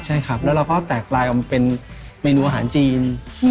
ใช่ครับแล้วเราก็แตกลายออกมาเป็นเมนูอาหารจีน